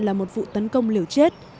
là một vụ tấn công liều chết